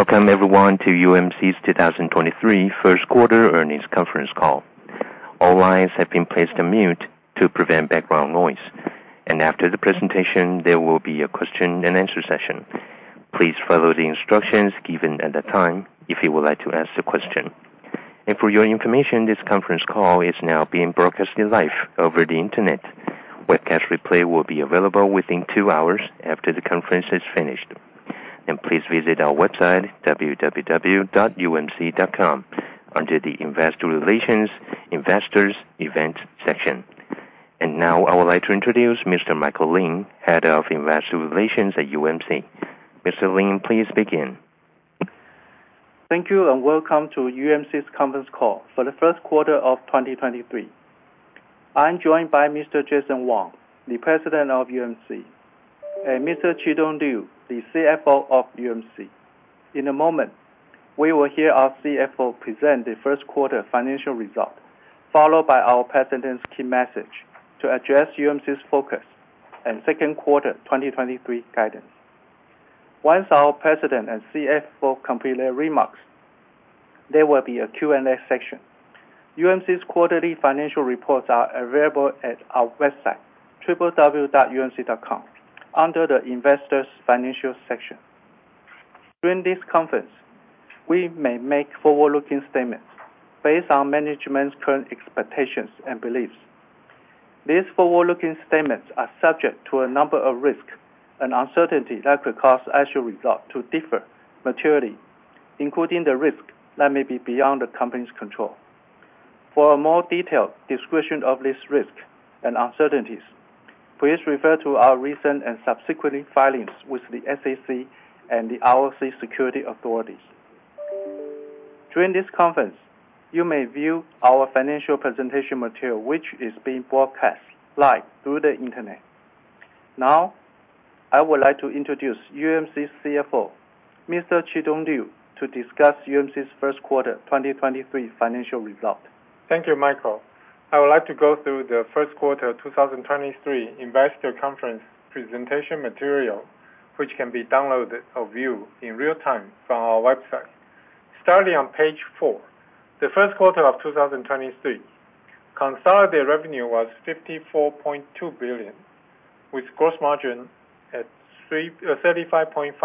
Welcome everyone to UMC's 2023 first quarter earnings conference call. All lines have been placed on mute to prevent background noise. After the presentation, there will be a Q&A session. Please follow the instructions given at the time if you would like to ask the question. For your information, this conference call is now being broadcasted live over the Internet. Webcast replay will be available within two hours after the conference is finished. Please visit our website www.umc.com under the investor relations, investors event section. Now I would like to introduce Mr. Michael Lin, Head of Investor Relations at UMC. Mr. Lin, please begin. Thank you. Welcome to UMC's conference call for the first quarter of 2023. I'm joined by Mr. Jason Wang, the President of UMC, and Mr. Chi-Tung Liu, the CFO of UMC. In a moment, we will hear our CFO present the first quarter financial result, followed by our President's key message to address UMC's focus and second quarter 2023 guidance. Once our President and CFO complete their remarks, there will be a Q&A section. UMC's quarterly financial reports are available at our website www.umc.com under the investors financial section. During this conference, we may make forward-looking statements based on management's current expectations and beliefs. These forward-looking statements are subject to a number of risks and uncertainties that could cause actual results to differ materially, including the risk that may be beyond the company's control. For a more detailed description of this risk and uncertainties, please refer to our recent and subsequently filings with the SEC and the ROC security authorities. During this conference, you may view our financial presentation material, which is being broadcast live through the Internet. Now, I would like to introduce UMC's CFO, Mr. Chi-Tung Liu, to discuss UMC's first quarter 2023 financial result. Thank you, Michael. I would like to go through the first quarter 2023 investor conference presentation material, which can be downloaded or viewed in real time from our website. Starting on page four, the first quarter of 2023, consolidated revenue was 54.2 billion, with gross margin at 35.5%.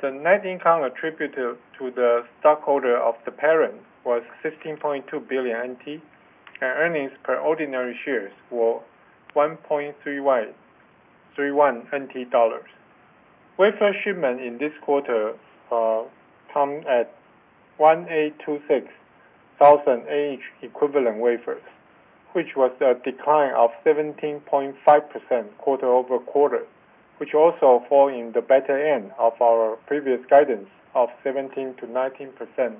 The net income attributed to the stockholder of the parent was 16.2 billion NT, and earnings per ordinary shares were 1.31 NT dollars. Wafer shipment in this quarter come at 1,826 thousand 8-inch equivalent wafers, which was a decline of 17.5% quarter-over-quarter, which also fall in the better end of our previous guidance of 17%-19%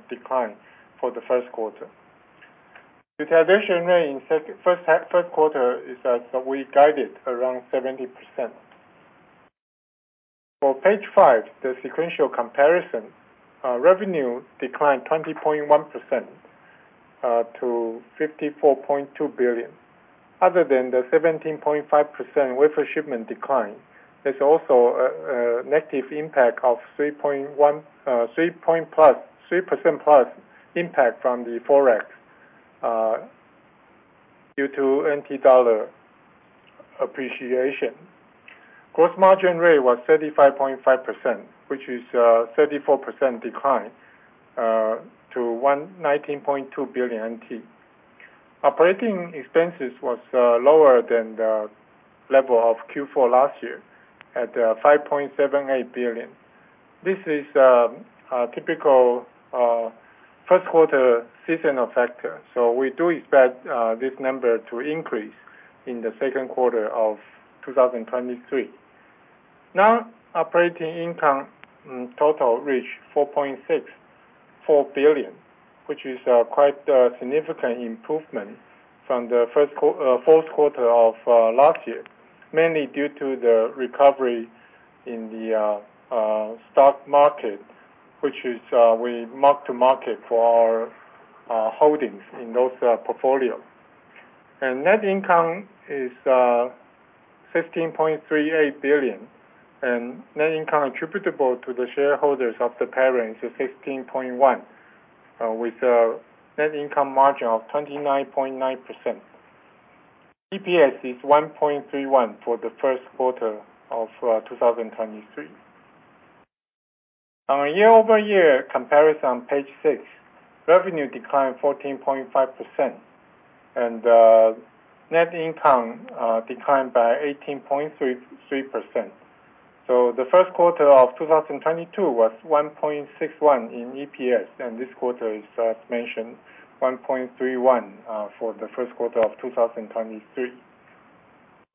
decline for the first quarter. Utilization rate in first quarter is as we guided around 70%. On page five, the sequential comparison, revenue declined 20.1% to 54.2 billion. Other than the 17.5% wafer shipment decline, there's also a negative impact of 3.1, 3%+ impact from the forex due to NT dollar appreciation. Gross margin rate was 35.5%, which is a 34% decline to 19.2 billion NT. Operating expenses was lower than the level of Q4 last year at 5.78 billion. This is a typical first quarter seasonal factor, so we do expect this number to increase in the second quarter of 2023. Operating income in total reached 4.64 billion, which is quite a significant improvement from the fourth quarter of last year, mainly due to the recovery in the stock market, which is we mark-to-market for our holdings in those portfolios. Net income is 15.38 billion. Net income attributable to the shareholders of the parent is 15.1 billion with a net income margin of 29.9%. EPS is 1.31 for the first quarter of 2023. On a year-over-year comparison, page six, revenue declined 14.5%, and net income declined by 18.33%. The first quarter of 2022 was 1.61 in EPS, and this quarter is, as mentioned, 1.31 for the first quarter of 2023.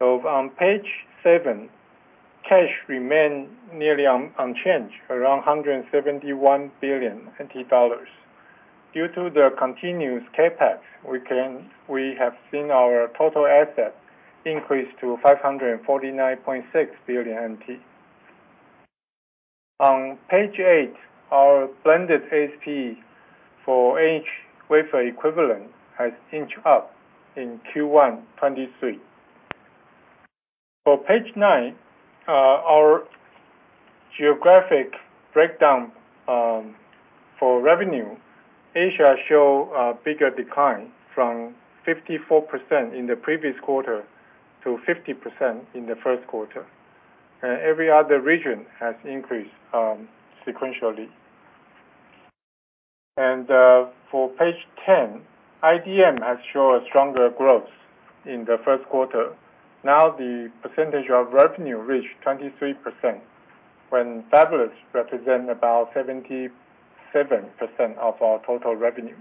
On page seven, cash remained nearly unchanged, around 171 billion dollars. Due to the continuous CapEx, we have seen our total asset increase to 549.6 billion NT. On page eight, our blended ASP for each wafer equivalent has inched up in Q1 2023. For page nine, our geographic breakdown for revenue, Asia show a bigger decline from 54% in the previous quarter to 50% in the first quarter. Every other region has increased sequentially. For page 10, IDM has shown a stronger growth in the first quarter. The percentage of revenue reached 23% when fabless represent about 77% of our total revenue.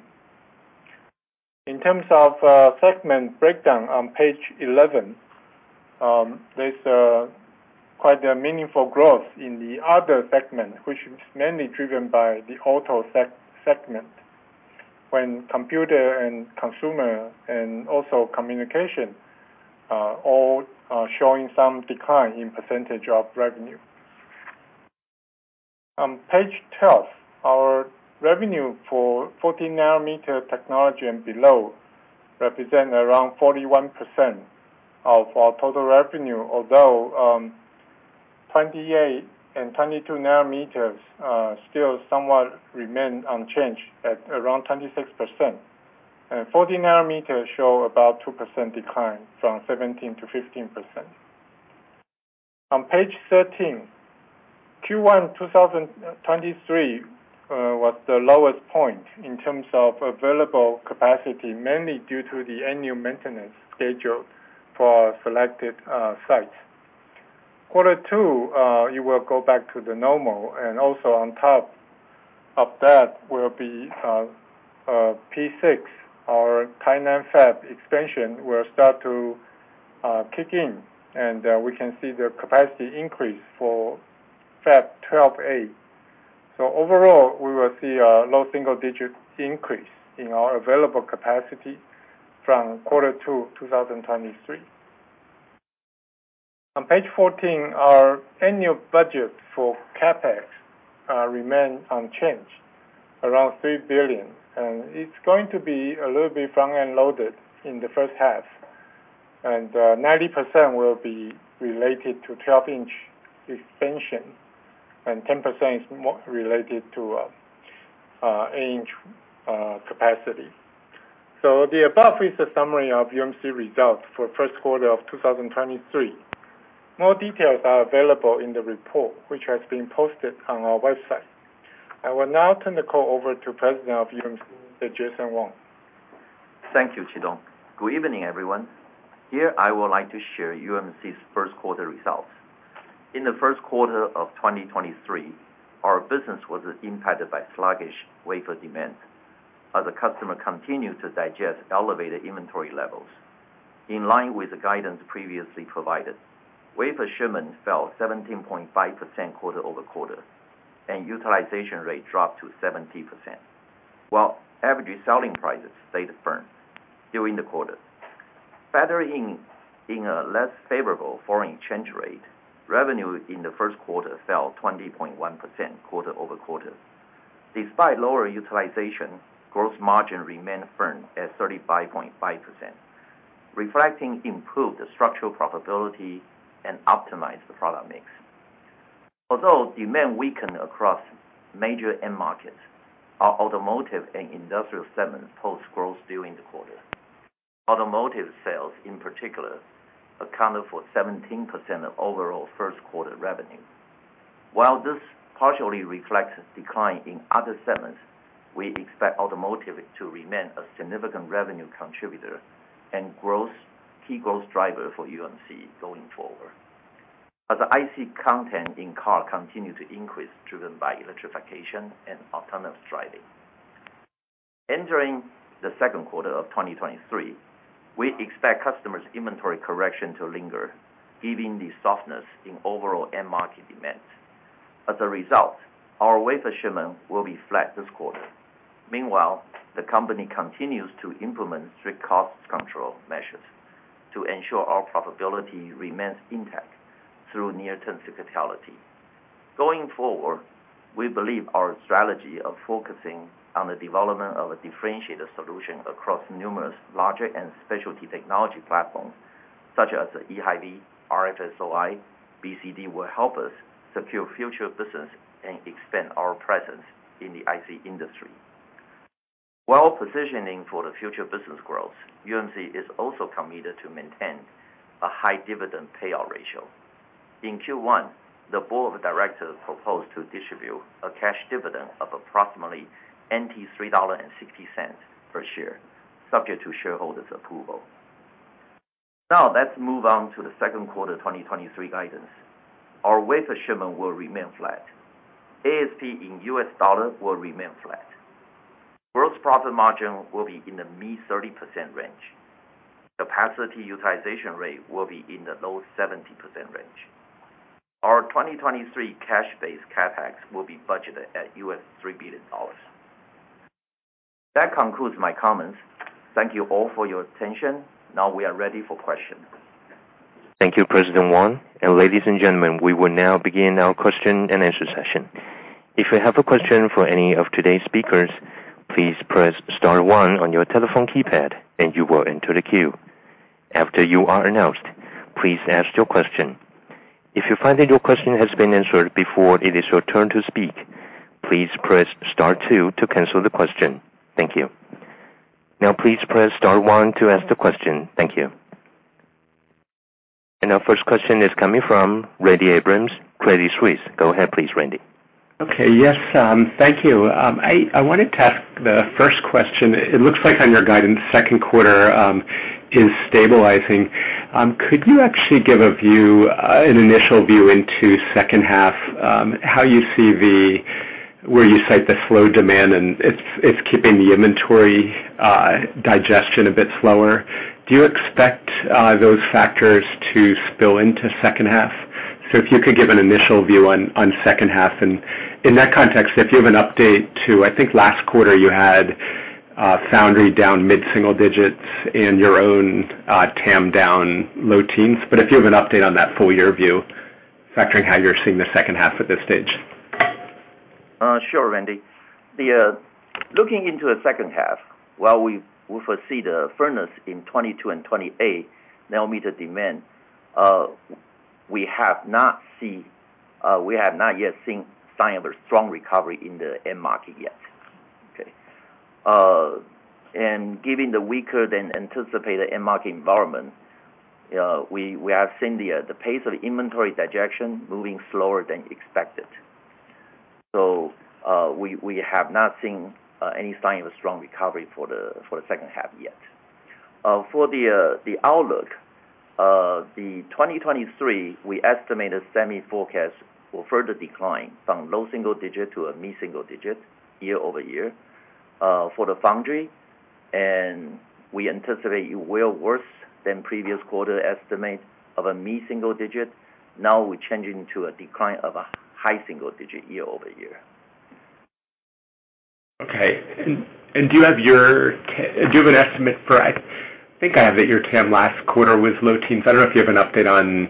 In terms of segment breakdown on page 11, there's quite a meaningful growth in the other segment, which is mainly driven by the auto segment. Computer and consumer and also communication all are showing some decline in percentage of revenue. On page 12, our revenue for 14 nm technology and below represent around 41% of our total revenue. 28 nm and 22 nm still somewhat remain unchanged at around 26%. 14 nm show about 2% decline from 17%-15%. On page 13, Q1 2023 was the lowest point in terms of available capacity, mainly due to the annual maintenance schedule for our selected sites. Quarter two, you will go back to the normal and also on top of that will be P6. Our Tainan Fab expansion will start to kick in, and we can see the capacity increase for Fab 12A. Overall, we will see a low single digit increase in our available capacity from Quarter two 2023. On page 14, our annual budget for CapEx remain unchanged, around $3 billion. It's going to be a little bit front-end loaded in the first half. 90% will be related to 12-inch expansion, and 10% is more related to our 8-inch capacity. The above is a summary of UMC results for first quarter of 2023. More details are available in the report, which has been posted on our website. I will now turn the call over to President of UMC, Jason Wang. Thank you, Chi-Tung. Good evening, everyone. Here, I would like to share UMC's first quarter results. In the first quarter of 2023, our business was impacted by sluggish wafer demand as the customer continued to digest elevated inventory levels. In line with the guidance previously provided, wafer shipments fell 17.5% quarter-over-quarter, and utilization rate dropped to 70%, while average selling prices stayed firm during the quarter. In a less favorable foreign exchange rate, revenue in the first quarter fell 20.1% quarter-over-quarter. Despite lower utilization, gross margin remained firm at 35.5%, reflecting improved structural profitability and optimized product mix. Although demand weakened across major end markets, our Automotive and Industrial segments post-growth during the quarter. Automotive sales, in particular, accounted for 17% of overall first quarter revenue. While this partially reflects decline in other segments, we expect automotive to remain a significant revenue contributor and growth, key growth driver for UMC going forward. As the IC content in car continue to increase, driven by electrification and autonomous driving. Entering the second quarter of 2023, we expect customers' inventory correction to linger, giving the softness in overall end market demand. As a result, our wafer shipment will be flat this quarter. Meanwhile, the company continues to implement strict cost control measures to ensure our profitability remains intact through near-term cyclicality. Going forward, we believe our strategy of focusing on the development of a differentiated solution across numerous larger and specialty technology platforms such as eHV, RFSOI, BCD, will help us secure future business and expand our presence in the IC industry. While positioning for the future business growth, UMC is also committed to maintain a high dividend payout ratio. In Q1, the board of directors proposed to distribute a cash dividend of approximately TWD 3.60 per share, subject to shareholders' approval. Let's move on to the second quarter 2023 guidance. Our wafer shipment will remain flat. ASP in U.S. dollar will remain flat. Gross profit margin will be in the mid 30% range. Capacity utilization rate will be in the low 70% range. Our 2023 cash-based CapEx will be budgeted at $3 billion. That concludes my comments. Thank you all for your attention. We are ready for questions. Thank you, President Wang. Ladies and gentlemen, we will now begin our Q&A session. If you have a question for any of today's speakers, please press star one on your telephone keypad, and you will enter the queue. After you are announced, please ask your question. If you find that your question has been answered before it is your turn to speak, please press star two to cancel the question. Thank you. Now, please press star one to ask the question. Thank you. Our first question is coming from Randy Abrams, Credit Suisse. Go ahead, please, Randy. Okay. Yes, thank you. I wanted to ask the first question. It looks like on your guidance, second quarter, is stabilizing. Could you actually give a view, an initial view into second half, how you see where you cite the slow demand and it's keeping the inventory digestion a bit slower. Do you expect those factors to spill into second half? If you could give an initial view on second half. In that context, if you have an update to. I think last quarter you had foundry down mid-single digits and your own TAM down low teens. If you have an update on that full year view, factoring how you're seeing the second half at this stage. Sure, Randy. Looking into the second half, while we foresee the firmness in 22 nm and 28 nm demand, we have not yet seen sign of a strong recovery in the end market yet. Okay. Given the weaker than anticipated end market environment, we have seen the pace of inventory digestion moving slower than expected. We have not seen any sign of a strong recovery for the second half yet. For the outlook, 2023, we estimated semi forecast will further decline from low single-digit to a mid-single-digit year-over-year. For the foundry, we anticipate it will worse than previous quarter estimates of a mid-single-digit. Now we're changing to a decline of a high single-digit year-over-year. Okay. Do you have an estimate for, I think I have that your TAM last quarter was low teens. I don't know if you have an update on.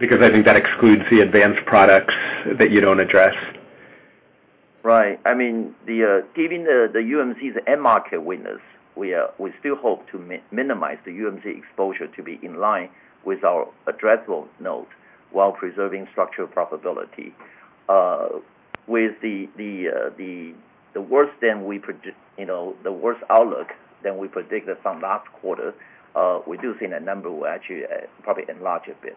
I think that excludes the advanced products that you don't address. Right. I mean, given the UMC's end market weakness, we still hope to minimize the UMC exposure to be in line with our addressable node while preserving structural profitability. With you know, the worse outlook than we predicted from last quarter, we do think that number will actually probably enlarge a bit.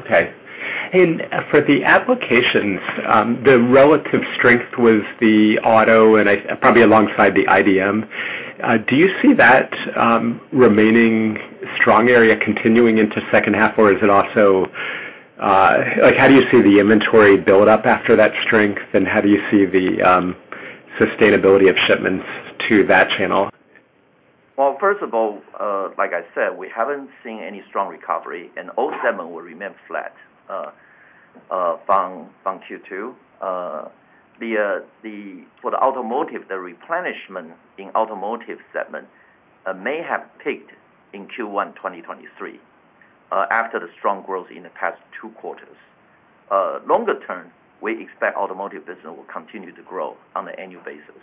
Yeah. Okay. For the applications, the relative strength was the auto probably alongside the IDM. Do you see that remaining strong area continuing into second half? How do you see the inventory build up after that strength, and how do you see the sustainability of shipments to that channel? Well, first of all, like I said, we haven't seen any strong recovery. All segment will remain flat from Q2. For the automotive, the replenishment in automotive segment may have peaked in Q1 2023 after the strong growth in the past two quarters. Longer term, we expect automotive business will continue to grow on an annual basis.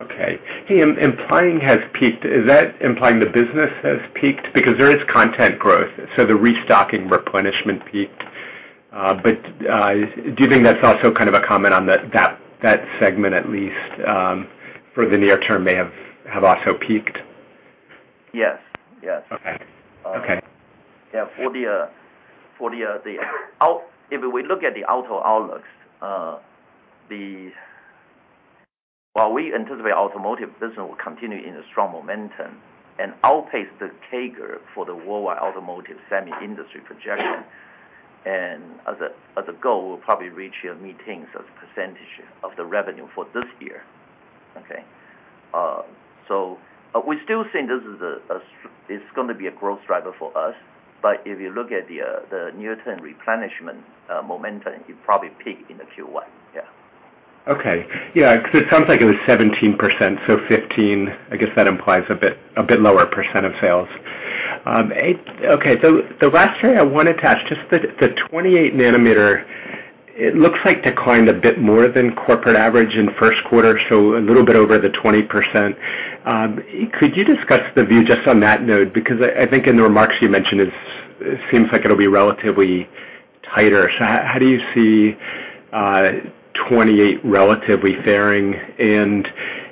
Okay. Hey, implying has peaked, is that implying the business has peaked? There is content growth, so the restocking replenishment peaked. Do you think that's also kind of a comment on that segment, at least, for the near term may have also peaked? Yes. Yes. Okay. Okay. Yeah. If we look at the auto outlooks, While we anticipate automotive business will continue in a strong momentum and outpace the CAGR for the worldwide automotive semi industry projection, and as a, as a goal, we'll probably reach a mid-teens as a % of the revenue for this year. Okay. We still think it's gonna be a growth driver for us. If you look at the near-term replenishment momentum, it probably peaked in the Q1. Yeah. Yeah, 'cause it sounds like it was 17%, so 15%, I guess that implies a bit, a bit lower percent of sales. The last area I wanted to ask, just the 28 nm, it looks like declined a bit more than corporate average in first quarter, a little bit over the 20%. Could you discuss the view just on that note? Because I think in the remarks you mentioned, it seems like it'll be relatively tighter. How, how do you see 28 relatively faring?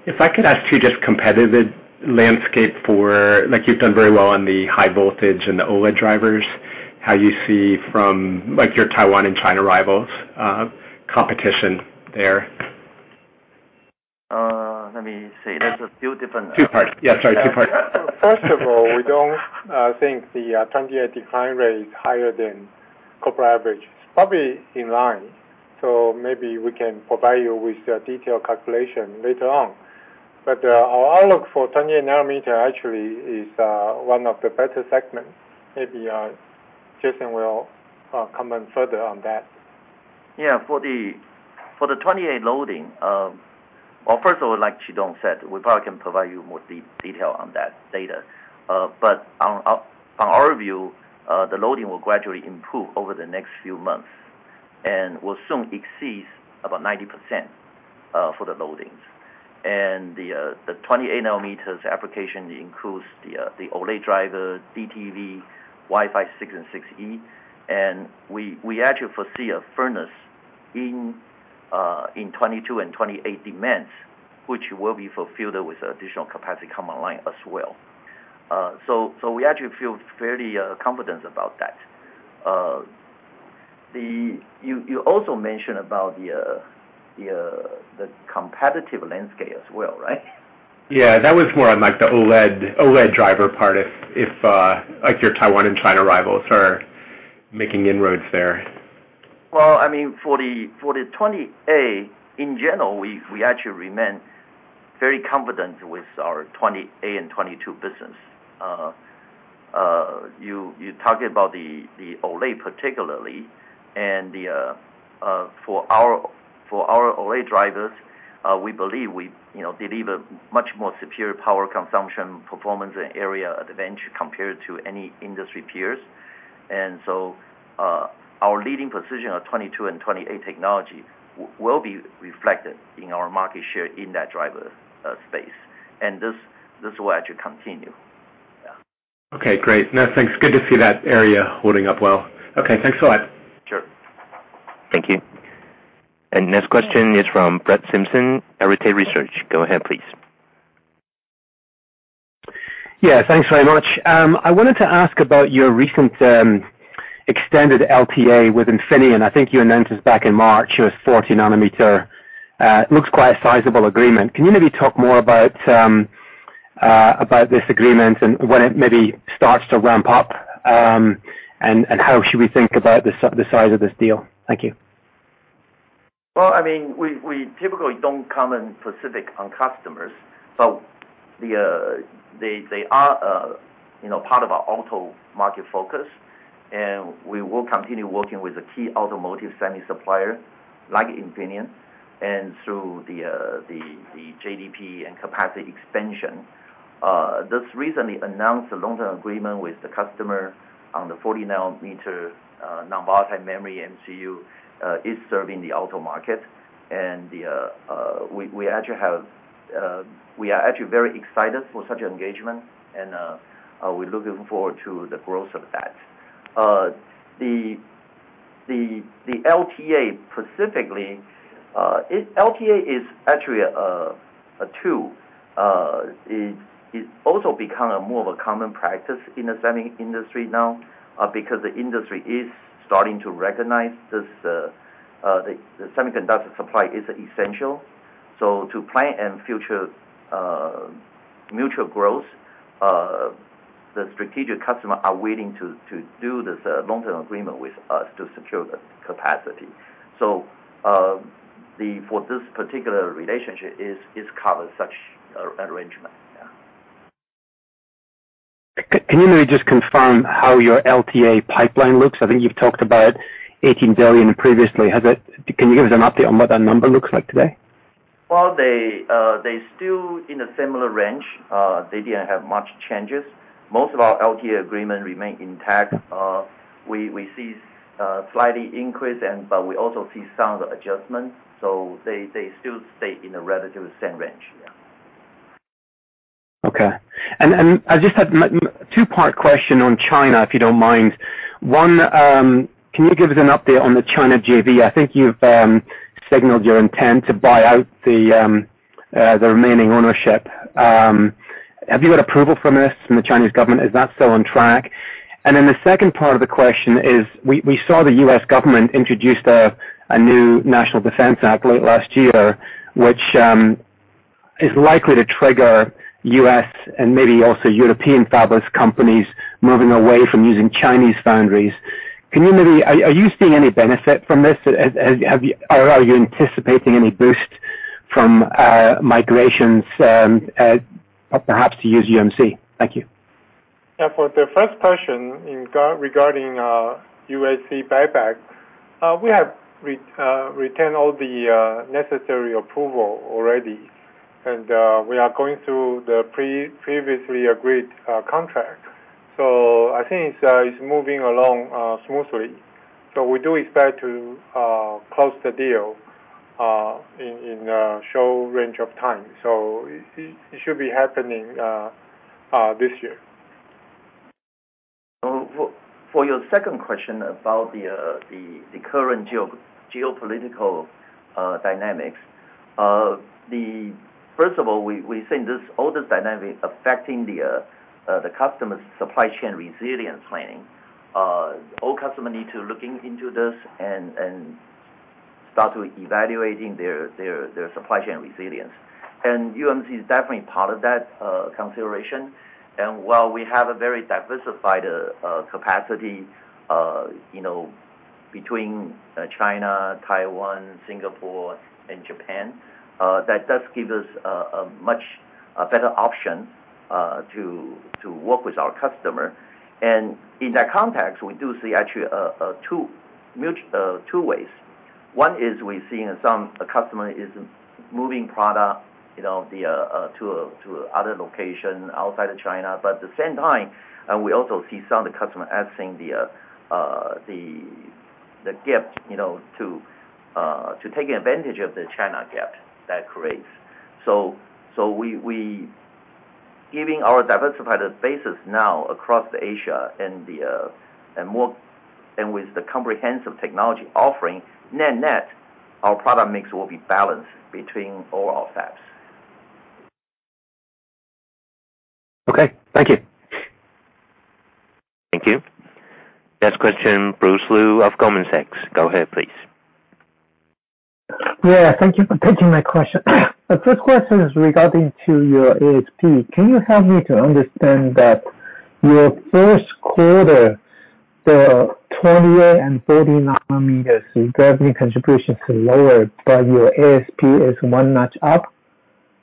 If I could ask you just competitive landscape for, like you've done very well on the high voltage and the OLED drivers, how you see from, like, your Taiwan and China rivals, competition there. Let me see. There's a few Two parts. Yeah, sorry, two parts. First of all, we don't think the 28 nm decline rate is higher than corporate average. It's probably in line. Maybe we can provide you with a detailed calculation later on. Our outlook for 20 nm actually is one of the better segments. Maybe Jason will comment further on that. Yeah. For the 28 loading, Well, first of all, like Chi-Tung said, we probably can provide you more detail on that data. On our view, the loading will gradually improve over the next few months and will soon exceed about 90% for the loadings. The 28 nm application includes the OLED driver, DTV, Wi-Fi 6 and 6E. We actually foresee a furnace in 22 nm and 28 nm demands, which will be fulfilled with additional capacity come online as well. We actually feel fairly confident about that. You also mentioned about the competitive landscape as well, right? Yeah, that was more on, like, the OLED driver part, if, like your Taiwan and China rivals are making inroads there. Well, I mean, for the 20 nm in general, we actually remain very confident with our 20 nm and 22 nm business. You target about the OLED particularly and for our OLED drivers, we believe we, you know, deliver much more superior power consumption, performance and area advantage compared to any industry peers. Our leading position of 22 nm and 20 nm technology will be reflected in our market share in that driver space. This will actually continue. Yeah. Great. No, thanks. Good to see that area holding up well. Thanks a lot. Sure. Thank you. Next question is from Brett Simpson, Arete Research. Go ahead, please. Yeah. Thanks very much. I wanted to ask about your recent extended LTA with Infineon. I think you announced this back in March. It was 40 nm. It looks quite a sizable agreement. Can you maybe talk more about this agreement and when it maybe starts to ramp up? How should we think about the size of this deal? Thank you. Well, I mean, we typically don't comment specific on customers, but they are, you know, part of our auto market focus, and we will continue working with the key automotive semi supplier like Infineon and through the JDP and capacity expansion. This recently announced a long-term agreement with the customer on the 40 nm non-volatile memory MCU is serving the auto market. The we are actually very excited for such engagement and we're looking forward to the growth of that. The LTA specifically, LTA is actually a tool. It's also become a more of a common practice in the semi industry now because the industry is starting to recognize this the semiconductor supply is essential. To plan and future, mutual growth, the strategic customer are willing to do this long-term agreement with us to secure the capacity. For this particular relationship is covered such arrangement. Yeah. Can you maybe just confirm how your LTA pipeline looks? I think you've talked about 18 billion previously. Can you give us an update on what that number looks like today? They still in a similar range. They didn't have much changes. Most of our LTA agreement remain intact. We see slightly increase and we also see some adjustments. They still stay in a relative same range. Yeah. Okay. I just have two-part question on China, if you don't mind. One, can you give us an update on the China JV? I think you've signaled your intent to buy out the remaining ownership. Have you had approval from this, from the Chinese government? Is that still on track? Then the second part of the question is we saw the U.S. government introduce the a new National Defense Act late last year, which is likely to trigger U.S. and maybe also European fabless companies moving away from using Chinese foundries. Are you seeing any benefit from this? Have you or are you anticipating any boost from migrations perhaps to use UMC? Thank you. Yeah. For the first question regarding UMC buyback, we have retained all the necessary approval already, and we are going through the previously agreed contract. I think it's moving along smoothly. We do expect to close the deal in a short range of time. It should be happening this year. For your second question about the current geopolitical dynamics. First of all, we think this, all this dynamic affecting the customer's supply chain resilience planning. All customer need to looking into this and start evaluating their supply chain resilience. UMC is definitely part of that consideration. While we have a very diversified capacity, you know, between China, Taiwan, Singapore and Japan, that does give us a much better option to work with our customer. In that context, we do see actually two ways. One is we're seeing some customer is moving product, you know, the to other location outside of China. At the same time, we also see some of the customer adding the gap, you know, to taking advantage of the China gap that creates. So, we giving our diversified basis now across the Asia and the with the comprehensive technology offering, net-net, our product mix will be balanced between all our fabs. Okay. Thank you. Thank you. Next question, Bruce Lu of Goldman Sachs. Go ahead, please. Yeah, thank you for taking my question. The first question is regarding to your ASP. Can you help me to understand that your first quarter, the 20 nm and 40 nm revenue contribution is lower, but your ASP is one notch up.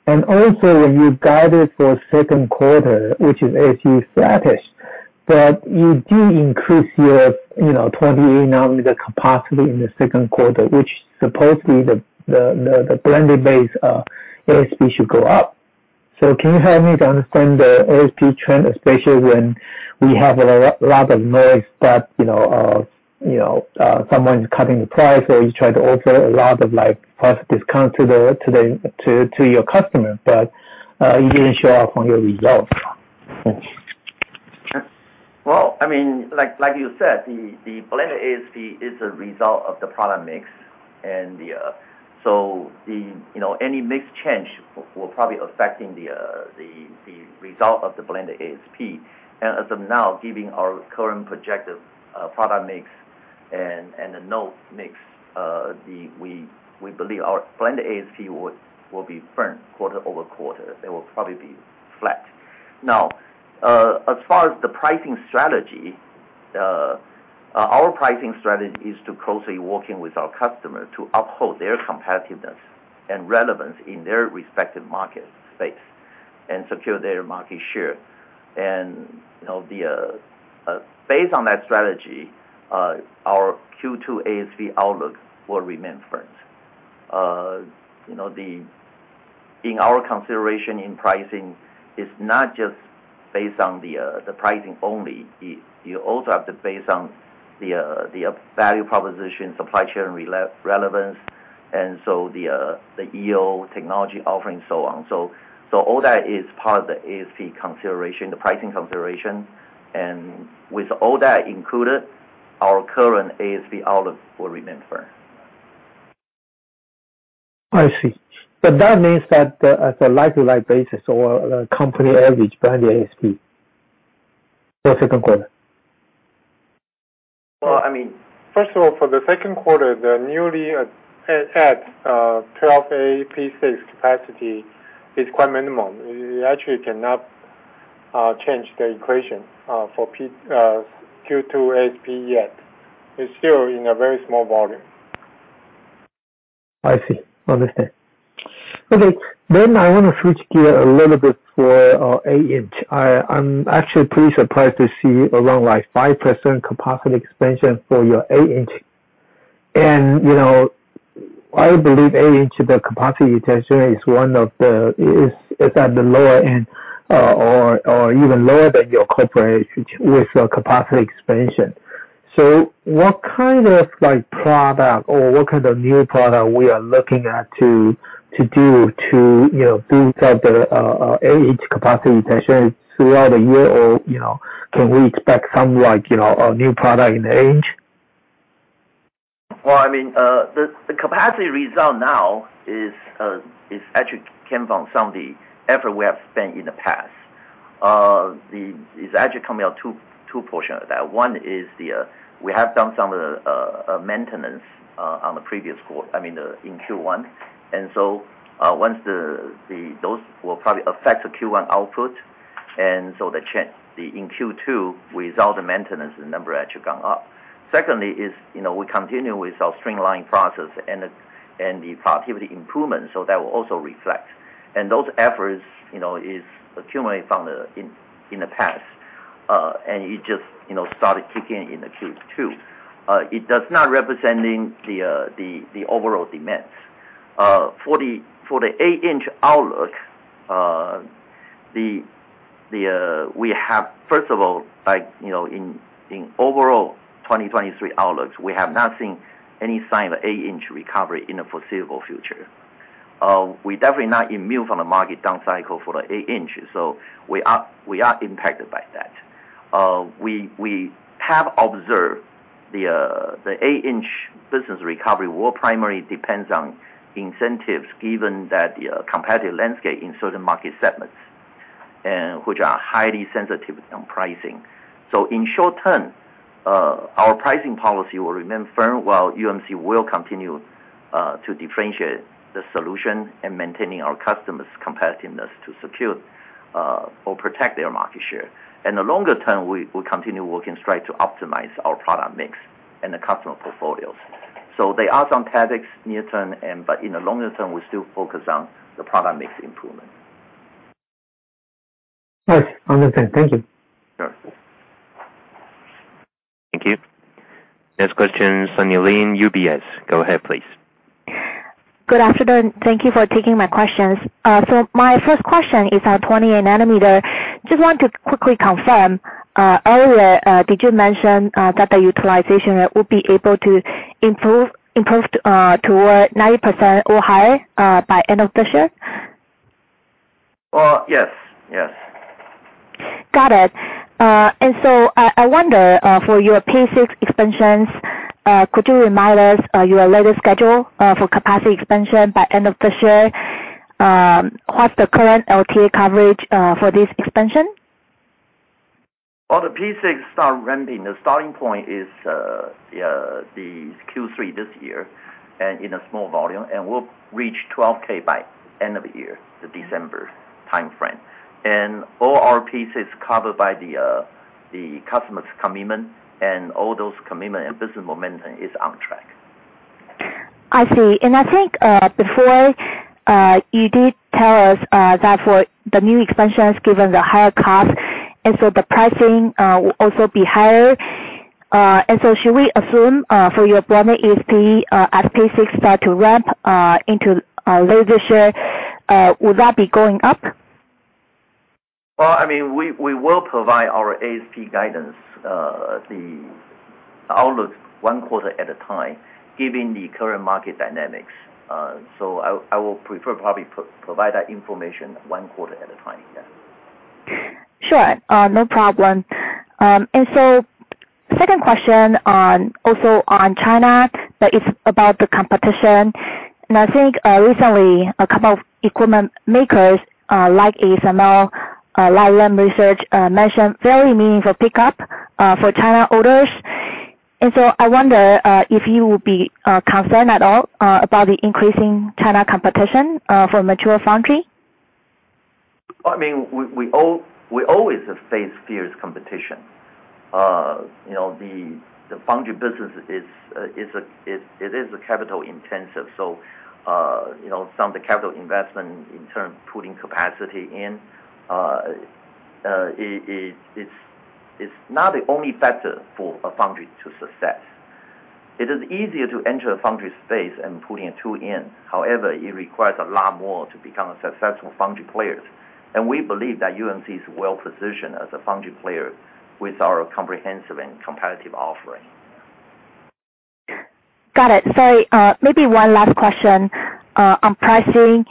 When you guided for second quarter, which is ASP flattish, but you do increase your, you know, 28 nm capacity in the second quarter, which supposedly the blended base ASP should go up. Can you help me to understand the ASP trend, especially when we have a lot of noise that, you know, someone's cutting the price, or you try to offer a lot of, like, price discount to your customer, but it didn't show up on your results. Well, I mean, like you said, the blended ASP is a result of the product mix and the. The, you know, any mix change will probably affecting the result of the blended ASP. As of now, giving our current projected product mix and the note mix, we believe our blended ASP will be firm quarter-over-quarter. It will probably be flat. As far as the pricing strategy, our pricing strategy is to closely working with our customers to uphold their competitiveness and relevance in their respective market space and secure their market share. You know, based on that strategy, our Q2 ASP outlook will remain firm. You know, in our consideration in pricing is not just based on the pricing only. You also have to base on the value proposition, supply chain relevance, and so the EO technology offering and so on. All that is part of the ASP consideration, the pricing consideration. With all that included, our current ASP outlook will remain firm. I see. That means that, as a like-to-like basis or a company average blended ASP for second quarter. Well, I mean. First of all, for the second quarter, the newly added 12A P6 capacity is quite minimum. It actually cannot change the equation for Q2 ASP yet. It's still in a very small volume. I see. Understand. Okay. I want to switch gear a little bit for 8-inch. I'm actually pretty surprised to see around like 5% capacity expansion for your 8-inch. You know, I believe 8-inch, the capacity expansion is one of the, is at the lower end, or even lower than your corporation with your capacity expansion. What kind of like product or what kind of new product we are looking at to do, you know, boost up the 8-inch capacity expansion throughout the year or, you know, can we expect some like, you know, a new product in the 8-inch? Well, I mean, the capacity result now is actually came from some of the effort we have spent in the past. It's actually coming out two portion of that. One is the, we have done some maintenance on the previous I mean, in Q1. Once those will probably affect the Q1 output, and so in Q2, without the maintenance, the number actually gone up. Secondly is, you know, we continue with our streamline process and productivity improvement, so that will also reflect. Those efforts, you know, is accumulated from the in the past, and it just, you know, started kicking in in the Q2. It does not representing the overall demands. For the 8-inch outlook, we have, first of all, like, you know, in overall 2023 outlooks, we have not seen any sign of 8-inch recovery in the foreseeable future. We're definitely not immune from the market down cycle for the 8-inch, so we are impacted by that. We have observed the 8-inch business recovery will primarily depends on incentives given that the competitive landscape in certain market segments and which are highly sensitive on pricing. In short term, our pricing policy will remain firm while UMC will continue to differentiate the solution and maintaining our customers' competitiveness to secure or protect their market share. In the longer term, we continue working straight to optimize our product mix and the customer portfolios. There are some tactics near term and, but in the longer term, we still focus on the product mix improvement. Right. Understand. Thank you. Sure. Thank you. Next question, Sunny Lin, UBS. Go ahead, please. Good afternoon. Thank you for taking my questions. My first question is on 20 nm. Just want to quickly confirm, earlier, did you mention that the utilization will be able to improve toward 90% or higher by end of this year? Well, yes. Yes. Got it. I wonder, for your P6 expansions, could you remind us, your latest schedule, for capacity expansion by end of this year? What's the current LT coverage for this expansion? The P6 start ramping. The starting point is the Q3 this year in a small volume, we'll reach 12,000 by end of the year, the December timeframe. All our pieces covered by the customer's commitment and all those commitment and business momentum is on track. I see. I think, before, you did tell us, that for the new expansions, given the higher cost, and so the pricing, will also be higher. So should we assume, for your volume ASP, as P6 start to ramp, into, later this year, would that be going up? Well, I mean, we will provide our ASP guidance, the outlook one quarter at a time, given the current market dynamics. I will prefer probably provide that information one quarter at a time. Yeah. Sure. No problem. Second question on... Also on China, but it's about the competition. I think, recently a couple of equipment makers, like ASML, like Lam Research, mentioned very meaningful pickup for China orders. I wonder if you would be concerned at all about the increasing China competition for mature foundry? I mean, we always have faced fierce competition. You know, the foundry business is a capital intensive, so, you know, some of the capital investment in terms of putting capacity in, it's not the only factor for a foundry to success. It is easier to enter a foundry space and putting a tool in. However, it requires a lot more to become a successful foundry players. We believe that UMC is well-positioned as a foundry player with our comprehensive and competitive offering. Got it. Sorry, maybe one last question on pricing.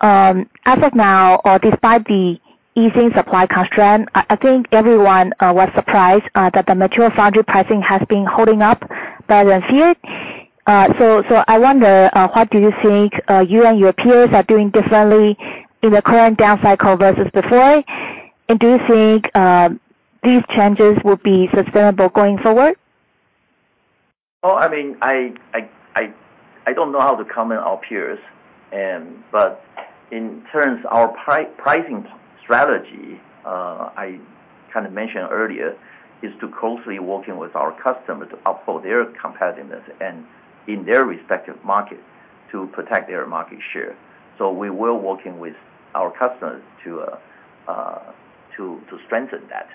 As of now or despite the easing supply constraint, I think everyone was surprised that the mature foundry pricing has been holding up better than feared. I wonder what do you think you and your peers are doing differently in the current down cycle versus before? Do you think these changes will be sustainable going forward? I mean, I don't know how to comment our peers, but in terms our pricing strategy, I kinda mentioned earlier, is to closely working with our customers to uphold their competitiveness and in their respective markets to protect their market share. We were working with our customers to strengthen that.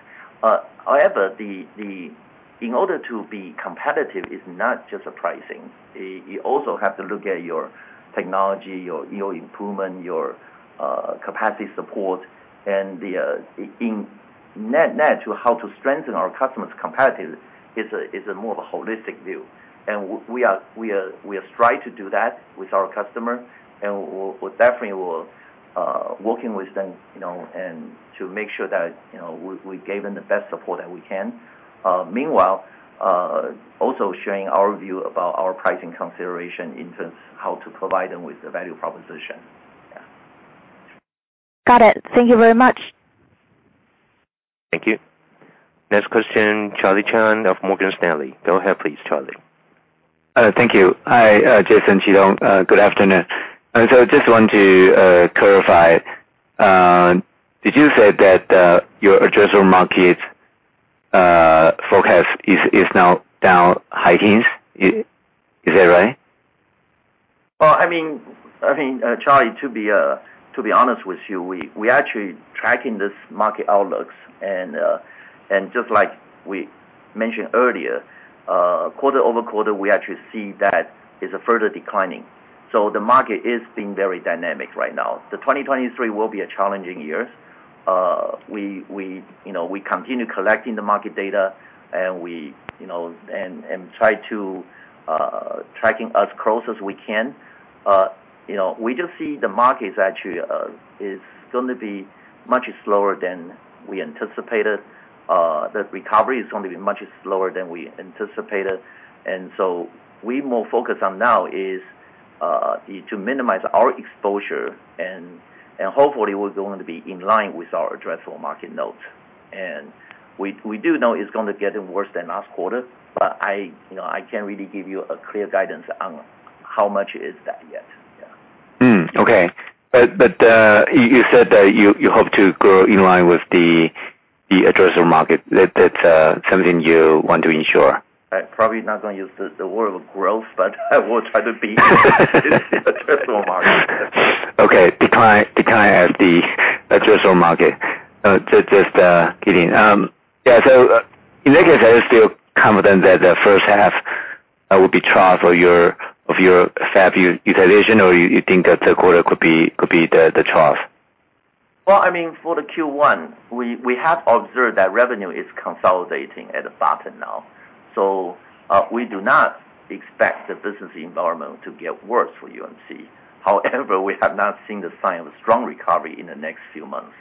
However, in order to be competitive is not just pricing. You also have to look at your technology, your improvement, your capacity support and the in net to how to strengthen our customers' competitive is a more of a holistic view. we are strive to do that with our customer, we definitely will working with them, you know, and to make sure that, you know, we gave them the best support that we can. Meanwhile, also sharing our view about our pricing consideration in terms how to provide them with the value proposition. Yeah. Got it. Thank you very much. Thank you. Next question, Charlie Chan of Morgan Stanley. Go ahead, please, Charlie. Thank you. Hi, Jason, Chi-Tung. Good afternoon. Just want to clarify, did you say that your addressable market forecast is now down high teens? Is that right? Well, I mean, Charlie, to be honest with you, we actually tracking this market outlooks and just like we mentioned earlier, quarter-over-quarter, we actually see that it's further declining. The market is being very dynamic right now. The 2023 will be a challenging year. We, you know, we continue collecting the market data and we, you know, and try to tracking as close as we can. You know, we just see the market is actually going to be much slower than we anticipated. The recovery is going to be much slower than we anticipated. We more focused on now is to minimize our exposure and hopefully we're going to be in line with our addressable market notes. We do know it's gonna get worse than last quarter, but I, you know, I can't really give you a clear guidance on how much is that yet. Okay. You said that you hope to grow in line with The addressable market, that's something you want to ensure. I'm probably not gonna use the word growth, but I will try to addressable market. Okay. Decline, decline as the addressable market. Just kidding. Yeah, in that case, are you still confident that the first half will be trough of your fab utilization, or you think that third quarter could be the trough? Well, I mean, for the Q1, we have observed that revenue is consolidating at the bottom now. We do not expect the business environment to get worse for UMC. However, we have not seen the sign of a strong recovery in the next few months.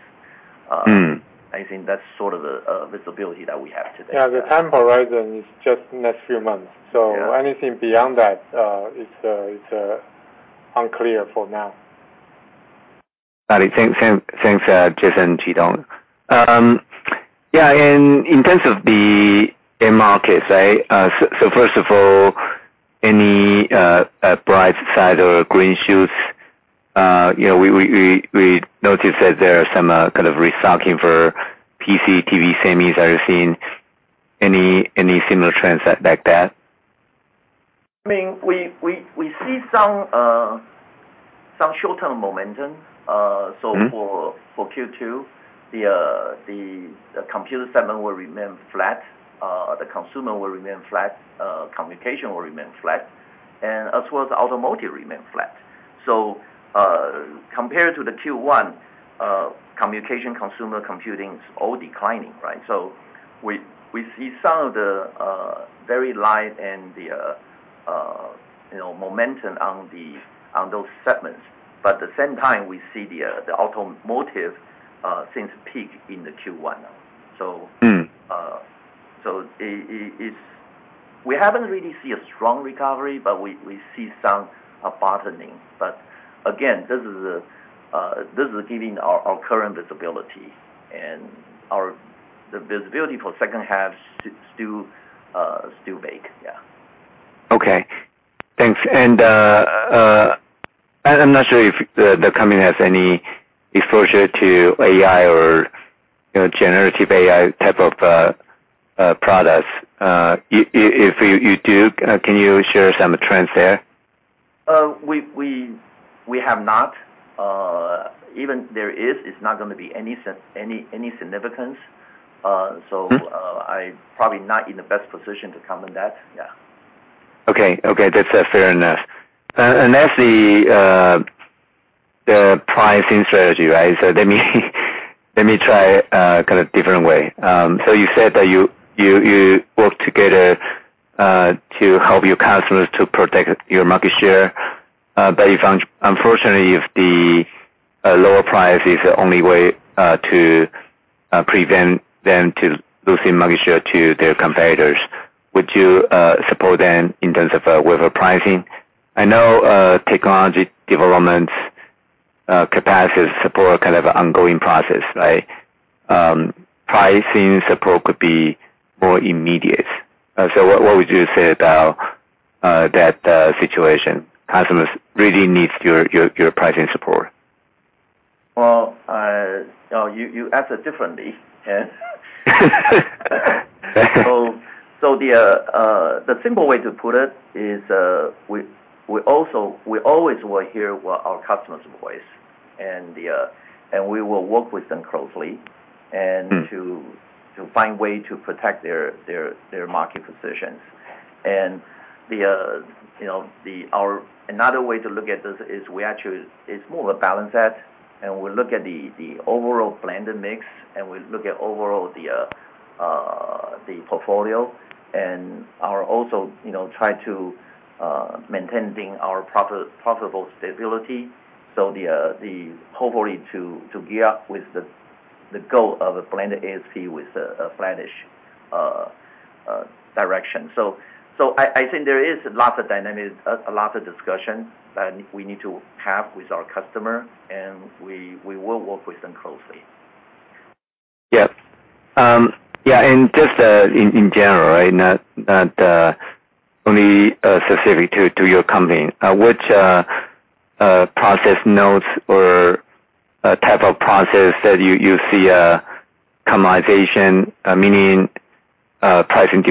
Mm. I think that's sort of the visibility that we have today. Yeah, the time horizon is just next few months. Yeah. Anything beyond that is unclear for now. Got it. Thanks, Jason, Chi-Tung. Yeah, in terms of the end markets, right? First of all, any bright side or green shoots, you know, we noticed that there are some kind of restocking for PC, TV semis. Are you seeing any similar trends like that? I mean, we see some short-term momentum. Mm-hmm. For Q2, the computer segment will remain flat. The consumer will remain flat. Communication will remain flat. As well as automotive remain flat. Compared to the Q1, communication, consumer computing is all declining, right? We see some of the very light and the, you know, momentum on those segments. The same time, we see the automotive, since peak in the Q1 now. Mm. It's... We haven't really seen a strong recovery, but we see some bottoming. Again, this is giving our current visibility. The visibility for second half's still vague. Yeah. Okay. Thanks. I'm not sure if the company has any exposure to AI or, you know, generative AI type of products. If you do, can you share some trends there? We have not. Even there is, it's not gonna be any significance. Mm. I'm probably not in the best position to comment that. Yeah. Okay. Okay, that's fair enough. Lastly, the pricing strategy, right? Let me try a kind of different way. You said that you work together to help your customers to protect your market share. If unfortunately, if the lower price is the only way to prevent them to losing market share to their competitors, would you support them in terms of waiver pricing? I know, technology development, capacity support kind of an ongoing process, right? Pricing support could be more immediate. What would you say about that situation? Customers really needs your pricing support. Well, you asked it differently. The simple way to put it is, we also, we always will hear what our customers' voice and the, and we will work with them closely and. Mm. To find way to protect their market positions. you know, another way to look at this is we actually. It's more of a balance set, and we look at the overall blended mix, and we look at overall the portfolio. Our also, you know, try to maintaining our profitable stability. Hopefully to gear up with the goal of a blended ASP with a flattish direction. I think there is lots of dynamics, a lot of discussion that we need to have with our customer, and we will work with them closely. Yeah. Just in general, right? Not only specific to your company. Which process nodes or type of process that you see commoditization, meaning, pricing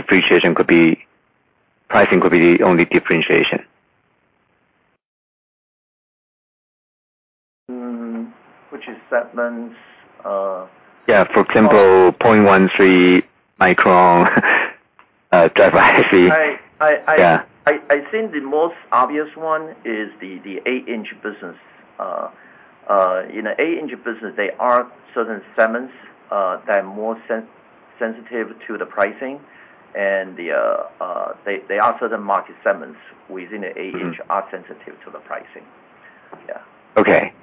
could be the only differentiation? Hmm. Which is segments? Yeah. For example, 0.13 micron driver IC. I, I, I- Yeah. I think the most obvious one is the eight-inch business. In the eight-inch business there are certain segments that are more sensitive to the pricing and there are certain market segments within the eight-inch. Mm-hmm. Are sensitive to the pricing. Yeah. Okay.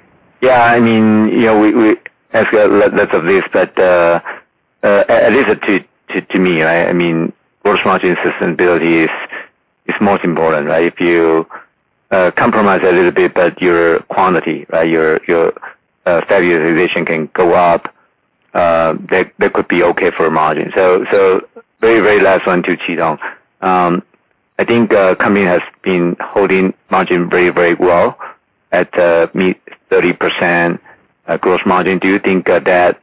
Yeah. I mean, you know, we ask a lot, lots of this, but at least to me, right, I mean, gross margin sustainability is most important, right? If you compromise a little bit, but your quantity, right, your fab utilization can go up, that could be okay for margin. Very last one to Chi-Tung. I think company has been holding margin very well. At mid 30% gross margin. Do you think that that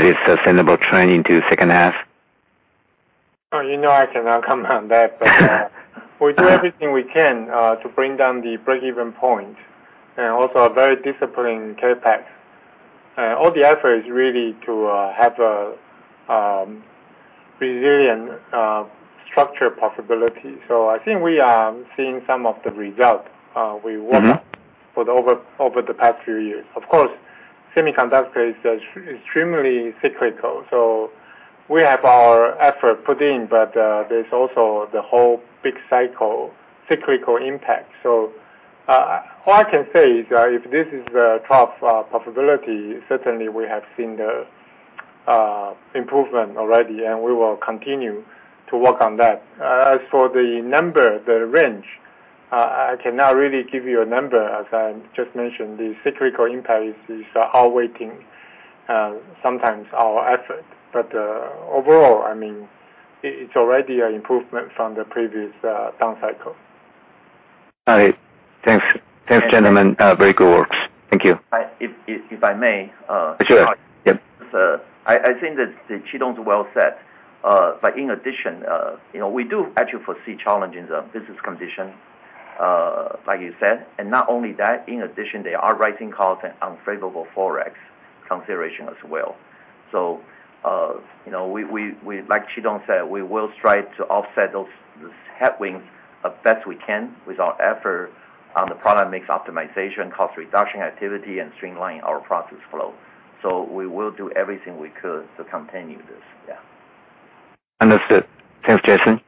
is a sustainable trend into second half? You know, I cannot comment on that. We do everything we can to bring down the break-even point and also a very disciplined CapEx. All the effort is really to have a resilient structure possibility. I think we are seeing some of the results. Mm-hmm. We worked for the over the past few years. Semiconductor is extremely cyclical, so we have our effort put in, but there's also the whole big cycle, cyclical impact. All I can say is that if this is the top possibility, certainly we have seen the improvement already, and we will continue to work on that. As for the number, the range, I cannot really give you a number. As I just mentioned, the cyclical impact is outweighing sometimes our effort. Overall, I mean, it's already an improvement from the previous down cycle. All right. Thanks. Thanks, gentlemen. Very good works. Thank you. I may. Sure. Yep. I think that Chi-Tung's well said. But in addition, you know, we do actually foresee challenges of business condition, like you said. Not only that, in addition, there are rising costs and unfavorable forex consideration as well. You know, we, like Chi-Tung said, we will strive to offset those headwinds as best we can with our effort on the product mix optimization, cost reduction activity and streamline our process flow. We will do everything we could to continue this. Yeah. Understood. Thanks, Jason.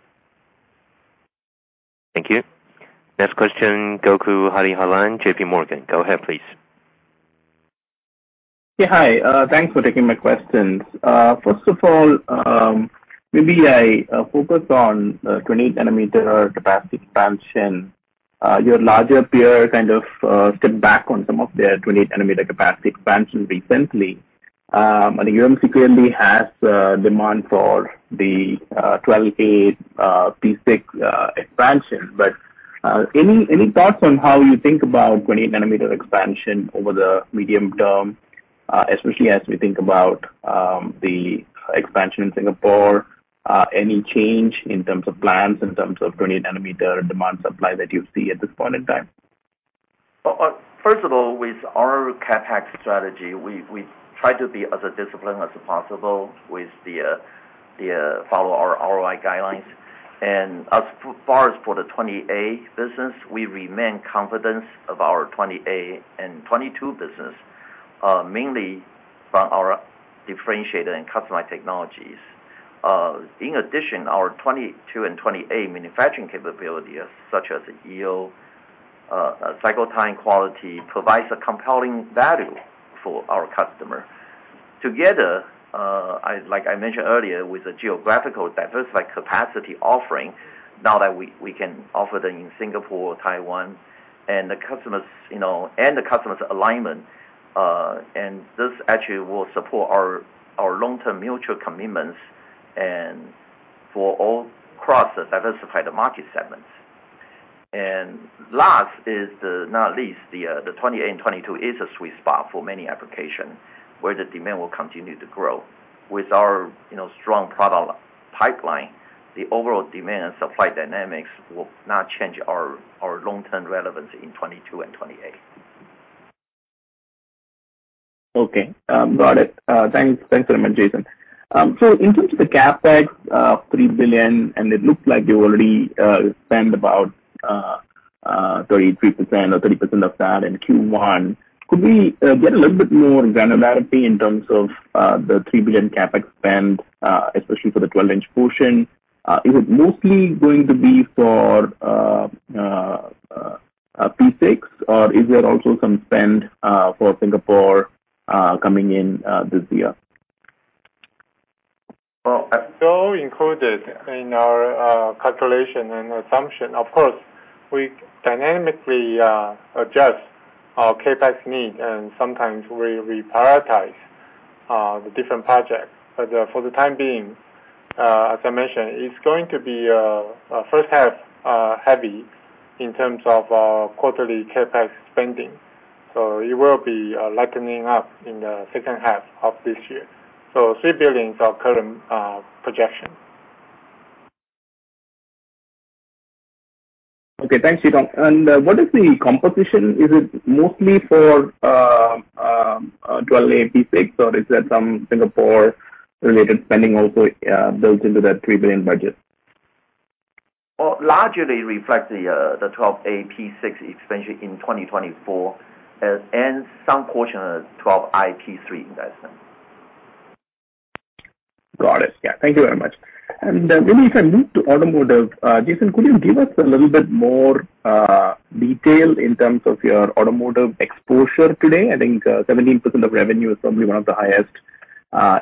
Thank you. Next question, Gokul Hariharan, JPMorgan. Go ahead, please. Yeah, hi. Thanks for taking my questions. First of all, maybe I focus on 28 nm capacity expansion. Your larger peer kind of stepped back on some of their 28 nm capacity expansion recently. UMC clearly has demand for the 12A P6 expansion. Any thoughts on how you think about 28 nm expansion over the medium term, especially as we think about the expansion in Singapore? Any change in terms of plans, in terms of 28 nm demand supply that you see at this point in time? Well, first of all, with our CapEx strategy, we try to be as disciplined as possible with the follow our ROI guidelines. As far as for the 28 nm business, we remain confident of our 28 nm and 22 nm business, mainly from our differentiated and customized technologies. In addition, our 22 nm and 28 nm manufacturing capabilities, such as yield, cycle time quality, provides a compelling value for our customer. Together, like I mentioned earlier with the geographical diversified capacity offering, now that we can offer them in Singapore or Taiwan and the customers, you know, and the customers alignment, and this actually will support our long-term mutual commitments and for all across the diversified market segments. Last is the, not least, the 28 nm and 22 nm is a sweet spot for many applications where the demand will continue to grow. With our, you know, strong product pipeline, the overall demand and supply dynamics will not change our long-term relevance in 22 nm and 28 nm. Okay. Got it. Thanks. Thanks very much, Jason. In terms of the CapEx, $3 billion, and it looks like you already spent about 33% or 30% of that in Q1. Could we get a little bit more granularity in terms of the $3 billion CapEx spend, especially for the 12-inch portion? Is it mostly going to be for P6 or is there also some spend for Singapore coming in this year? It's all included in our calculation and assumption. Of course, we dynamically adjust our CapEx need and sometimes we reprioritize the different projects. For the time being, as I mentioned, it's going to be first half heavy in terms of quarterly CapEx spending, so it will be lightening up in the second half of this year. $3 billion is our current projection. Okay. Thanks, Chi-Tung. What is the composition? Is it mostly for 12A P6 or is there some Singapore related spending also built into that $3 billion budget? largely reflects the 12A P6 expansion in 2024 and some portion of 12i P3 investment. Got it. Yeah. Thank you very much. Maybe if I move to automotive, Jason, could you give us a little bit more detail in terms of your automotive exposure today? I think 17% of revenue is probably one of the highest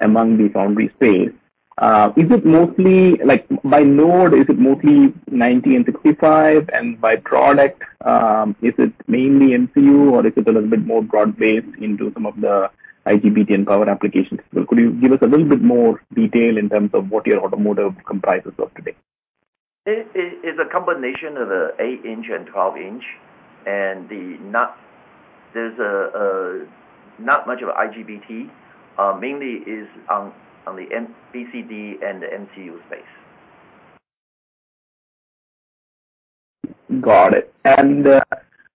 among the foundry space. Is it mostly, like by node, is it mostly 1965? By product, is it mainly MCU or is it a little bit more broad-based into some of the IGBT and power applications? Could you give us a little bit more detail in terms of what your automotive comprises of today? It's a combination of the 8-inch and 12-inch. There's not much of IGBT. Mainly is on the BCD and the MCU space. Got it.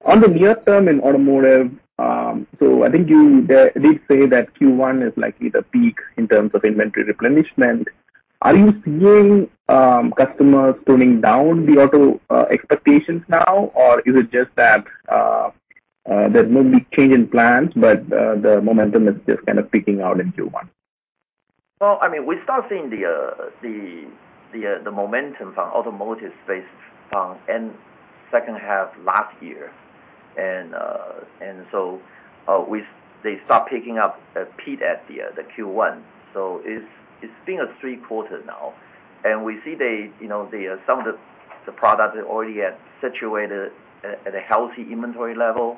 On the near term in automotive, I think you did say that Q1 is likely the peak in terms of inventory replenishment. Are you seeing customers toning down the auto expectations now? Is it just that there may be change in plans, but the momentum is just kind of peaking out in Q1? Well, I mean, we start seeing the momentum from automotive space from second half last year. They start picking up peak at the Q1. It's been a three-quarter now. We see they, you know, some of the product already situated at a healthy inventory level.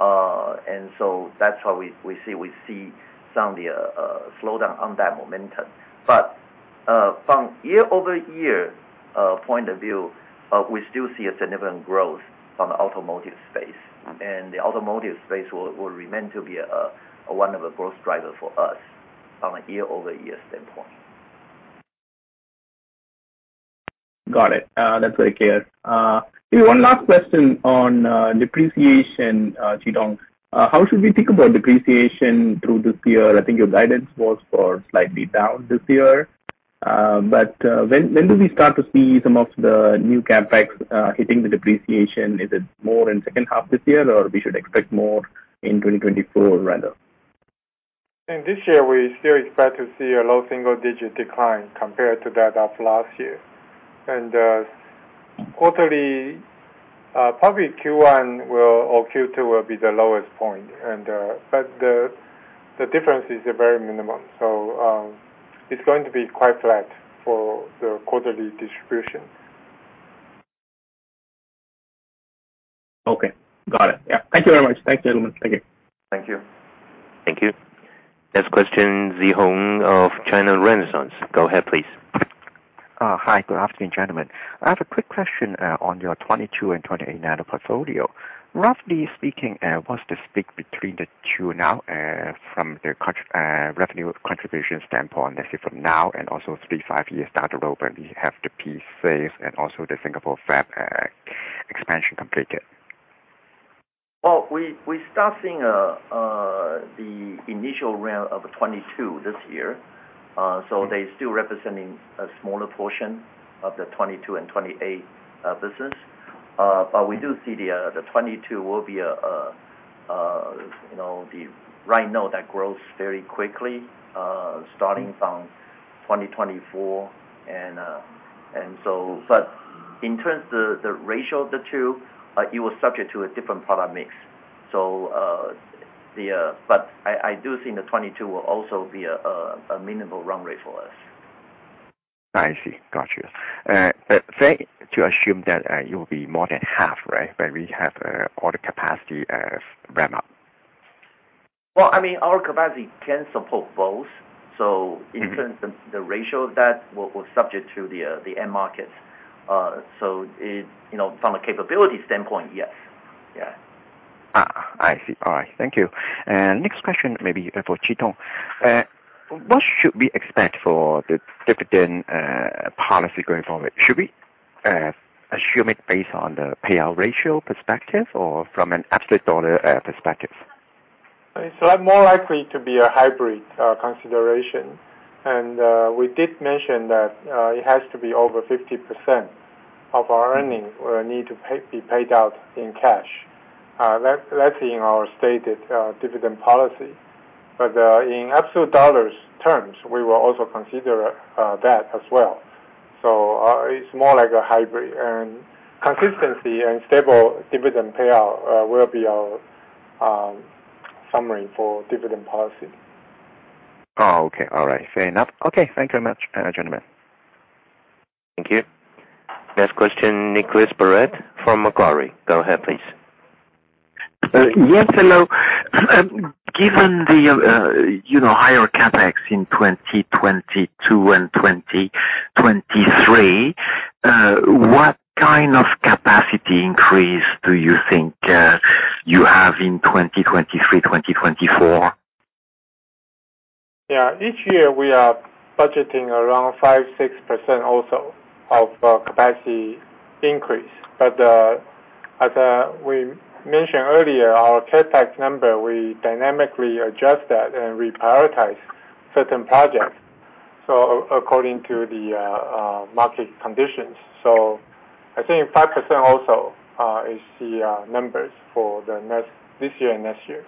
That's why we see some of the slowdown on that momentum. From year-over-year point of view, we still see a significant growth on the automotive space. The automotive space will remain to be a one of the growth driver for us from a year-over-year standpoint. Got it. That's very clear. Give me one last question on depreciation, Chi-Tung. How should we think about depreciation through this year? I think your guidance was for slightly down this year. When do we start to see some of the new CapEx hitting the depreciation? Is it more in second half this year, or we should expect more in 2024 rather? In this year, we still expect to see a low single-digit decline compared to that of last year. quarterly, probably Q1 will or Q2 will be the lowest point. but the difference is very minimum, so it's going to be quite flat for the quarterly distribution. Okay. Got it. Yeah. Thank you very much. Thanks, gentlemen. Thank you. Thank you. Thank you. Next question, Szeho Ng of China Renaissance. Go ahead, please. Hi. Good afternoon, gentlemen. I have a quick question on your 22 nm and 28 nm portfolio. Roughly speaking, what's the split between the two now, from the revenue contribution standpoint, let's say from now and also three, five years down the road, when we have the phase and also the Singapore fab expansion completed? Well, we start seeing the initial round of 22 nm this year. They still representing a smaller portion of the 22 nm and 28 nm business. We do see the 22 nm will be a, you know, the right node that grows very quickly starting from 2024. In terms of the ratio of the two, it was subject to a different product mix. I do think the 22 nm will also be a minimal run rate for us. I see. Got you. Fair to assume that it will be more than half, right? When we have all the capacity ramp up. Well, I mean, our capacity can support both. Mm-hmm. In terms of the ratio of that, we're subject to the end markets. You know, from a capability standpoint, yes. Yeah. I see. All right. Thank you. Next question maybe for Chi-Tung. What should we expect for the dividend policy going forward? Should we assume it based on the payout ratio perspective or from an absolute dollar perspective? It's more likely to be a hybrid consideration. We did mention that it has to be over 50% of our earnings will need to be paid out in cash. That, that's in our stated dividend policy. In absolute dollars terms, we will also consider that as well. It's more like a hybrid. Consistency and stable dividend payout will be our summary for dividend policy. Okay. All right. Fair enough. Okay. Thank you very much, gentlemen. Thank you. Next question, Niklas Baratte from Macquarie. Go ahead, please. Yes, hello. Given the, you know, higher CapEx in 2022 and 2023, what kind of capacity increase do you think, you have in 2023, 2024? Yeah. Each year we are budgeting around 5%, 6% or so of capacity increase. As we mentioned earlier, our CapEx number, we dynamically adjust that and reprioritize certain projects, so according to the market conditions. I think 5% also is the numbers for the next... This year and next year.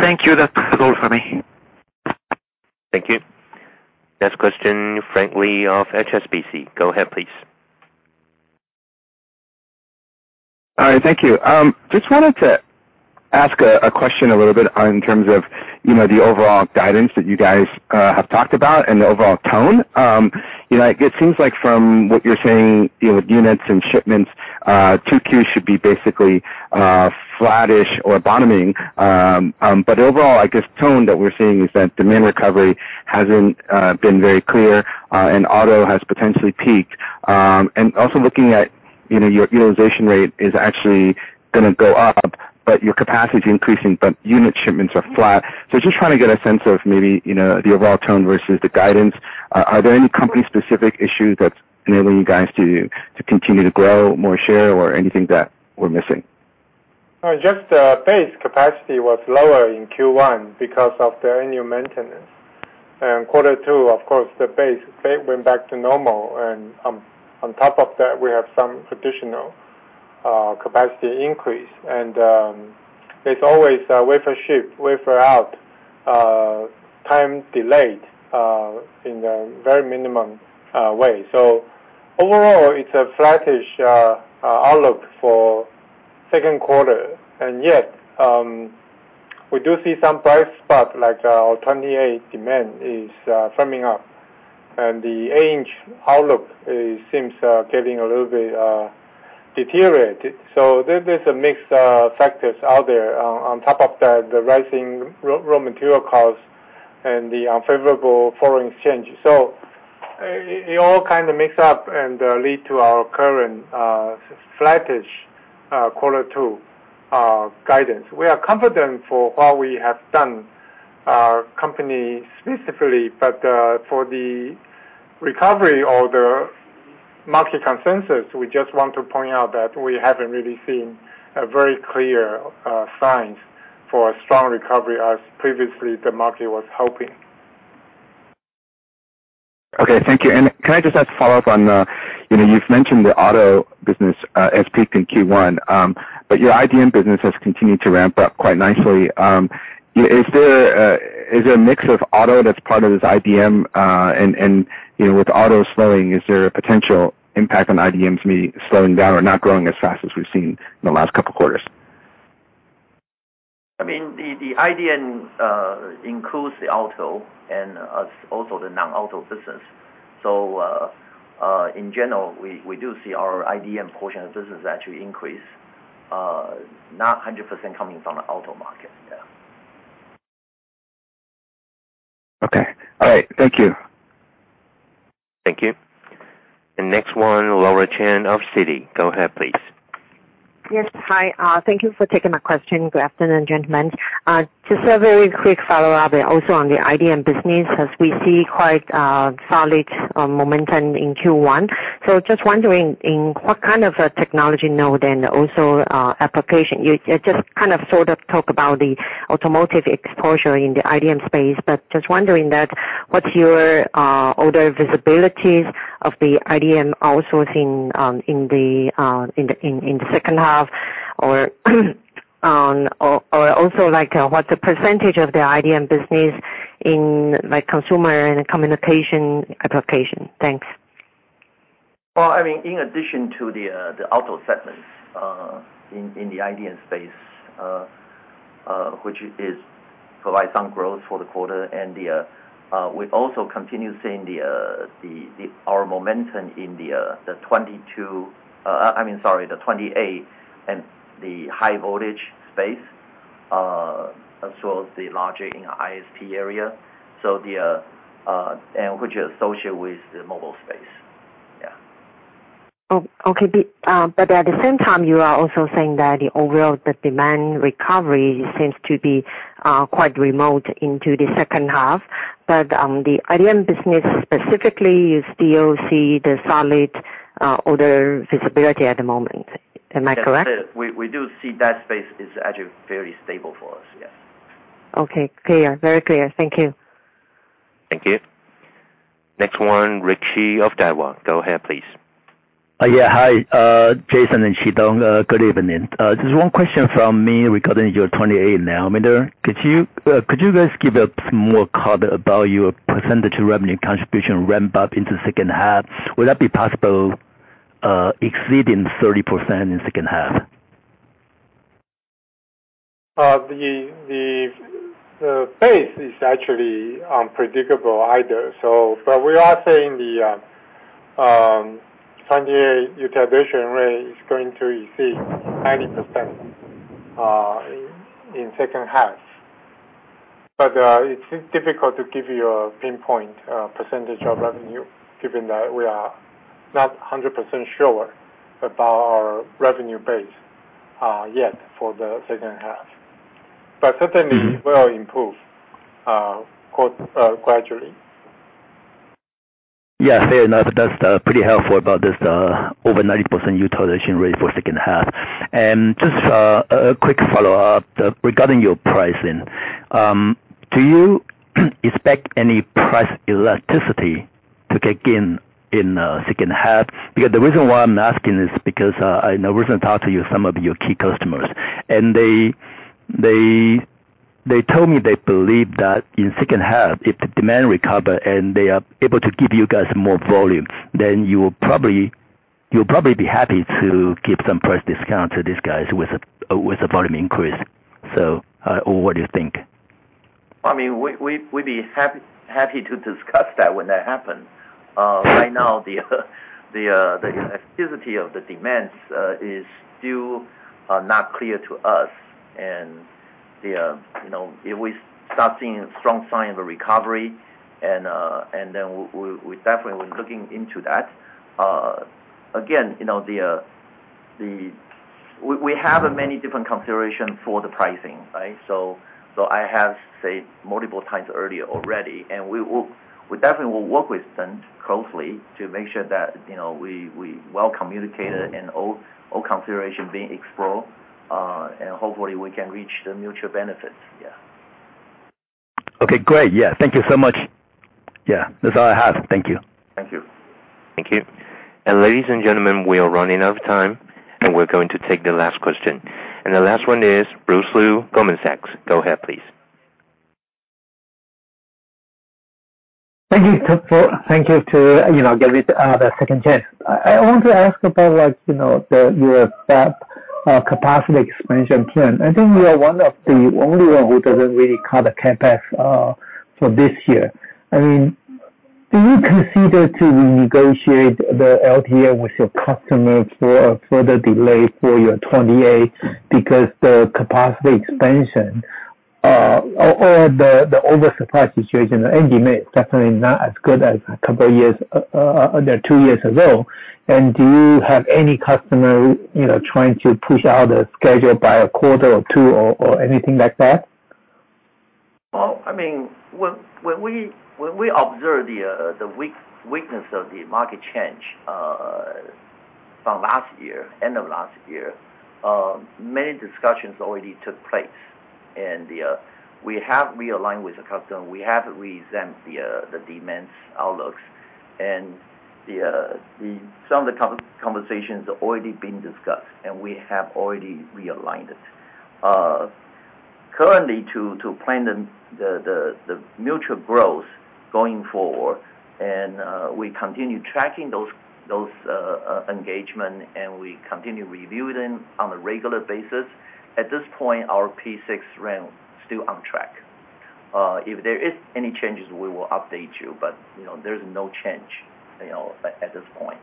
Thank you. That's all for me. Thank you. Next question, Frank Lee of HSBC. Go ahead, please. All right. Thank you. Just wanted to ask a question a little bit in terms of, you know, the overall guidance that you guys have talked about and the overall tone. You know, it seems like from what you're saying, you know, with units and shipments, 2Q should be basically flattish or bottoming. Overall, I guess tone that we're seeing is that demand recovery hasn't been very clear, and auto has potentially peaked. Also looking at. You know, your utilization rate is actually going to go up, but your capacity increasing, but unit shipments are flat. Just trying to get a sense of maybe, you know, the overall tone versus the guidance. Are there any company-specific issues that's enabling you guys to continue to grow more share or anything that we're missing? Just the base capacity was lower in Q1 because of the annual maintenance. Quarter two, of course, the base went back to normal, and on top of that, we have some traditional capacity increase. It's always a wafer ship, wafer out, time delayed in a very minimum way. Overall, it's a flattish outlook for second quarter. Yet, we do see some bright spots like our 28 nm demand is firming up. The 8-inch outlook is seems getting a little bit deteriorated. There's a mixed factors out there. On top of that, the rising raw material costs and the unfavorable foreign exchange. It all kind of mix up and lead to our current flattish quarter two guidance. We are confident for what we have done, company specifically, but for the recovery or the market consensus, we just want to point out that we haven't really seen a very clear signs for a strong recovery as previously the market was hoping. Okay. Thank you. Can I just ask a follow-up on, you know, you've mentioned the auto business, as peaked in Q1, but your IDM business has continued to ramp up quite nicely. Is there, is there a mix of auto that's part of this IDM, and, you know, with auto slowing, is there a potential impact on IDMs maybe slowing down or not growing as fast as we've seen in the last couple of quarters? I mean, the IDM includes the auto and also the non-auto business. In general, we do see our IDM portion of business actually increase, not 100% coming from the auto market. Yeah. Okay. All right. Thank you. Thank you. Next one, Laura Chen of Citi. Go ahead, please. Yes. Hi. Thank you for taking my question. Good afternoon, gentlemen. Just a very quick follow-up also on the IDM business as we see quite solid momentum in Q1. Just wondering in what kind of a technology node and also application, you just kind of sort of talk about the automotive exposure in the IDM space, but just wondering that what's your order visibilities of the IDM outsourcing in the second half or also like what's the percentage of the IDM business in like consumer and communication application? Thanks. Well, I mean, in addition to the auto segments in the IDM space, which is provide some growth for the quarter, we also continue seeing our momentum in the 22 nm, I mean, sorry, the 28 nm and the high voltage space, as well as the larger in ISP area, and which associate with the mobile space. Yeah. Okay. At the same time, you are also saying that the overall, the demand recovery seems to be quite remote into the second half. The IDM business specifically, you still see the solid order visibility at the moment. Am I correct? Yes. We do see that space is actually very stable for us. Yes. Okay. Clear. Very clear. Thank you. Thank you. Next one, Rick Hsu of Daiwa. Go ahead, please. Yeah. Hi, Jason and Shih-Dong. Good evening. Just one question from me regarding your 28 nm. Could you guys give us more color about your percentage of revenue contribution ramp up into second half? Will that be possible, exceeding 30% in second half? The base is actually unpredictable either. We are saying the 28 nm utilization rate is going to exceed 90% in second half. It's difficult to give you a pinpoint percentage of revenue given that we are not 100% sure about our revenue base yet for the second half. Certainly will improve gradually. Yeah, fair enough. That's pretty helpful about this over 90% utilization rate for second half. Just a quick follow-up regarding your pricing. Do you expect any price elasticity to kick in second half? The reason why I'm asking is because I know recently talked to you some of your key customers, and they told me they believe that in second half, if the demand recover and they are able to give you guys more volumes, then you'll probably be happy to give some price discount to these guys with a volume increase. Or what do you think? I mean, we'd be happy to discuss that when that happens. Right now, the elasticity of the demands is still not clear to us. The, you know, if we start seeing strong sign of a recovery and then we definitely we're looking into that. Again, you know, the. We have a many different consideration for the pricing, right? So I have said multiple times earlier already, and we definitely will work with them closely to make sure that, you know, we well communicated and all consideration being explored, and hopefully we can reach the mutual benefits. Yeah. Okay, great. Yeah. Thank you so much. Yeah. That's all I have. Thank you. Thank you. Thank you. Ladies and gentlemen, we are running out of time, and we're going to take the last question. The last one is Bruce Lu, Goldman Sachs. Go ahead, please. Thank you. Thank you to, you know, give it the second chance. I want to ask about like, you know, your fab capacity expansion plan. I think you are one of the only one who doesn't really cut the CapEx for this year. I mean, do you consider to renegotiate the LTA with your customers for a further delay for your 28 nm because the capacity expansion or the oversupply situation, the end demand is definitely not as good as a couple of years than two years ago. Do you have any customer, you know, trying to push out a schedule by a quarter or two or anything like that? Well, I mean, when we observe the weakness of the market change from last year, end of last year, many discussions already took place. We have realigned with the customer, we have re-examined the demands outlooks. Some of the conversations already been discussed, and we have already realigned it. Currently to plan the mutual growth going forward, and we continue tracking those engagement, and we continue reviewing on a regular basis. At this point, our P6 ramp still on track. If there is any changes, we will update you. You know, there's no change, you know, at this point.